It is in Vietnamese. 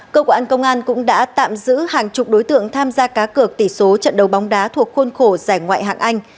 cơ quan công an cũng đã tạm giữ hàng chục đối tượng tham gia cá cửa tỷ số trận đầu bóng đá thuộc khôn khổ giải ngoại hạng anh